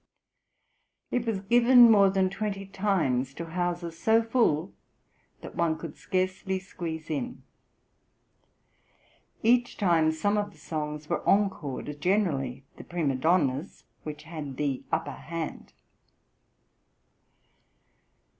It was given more than twenty times to houses so full "that one could scarcely squeeze in." Each time some of the songs were encored, generally the prima donna's, which had "the upper hand."